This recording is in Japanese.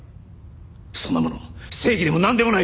そんなもの正義でもなんでもない！